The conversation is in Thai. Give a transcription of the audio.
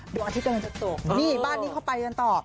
ดวงอาทิตย์กำลังจะตกนี่บ้านนี้เข้าไปกันต่อ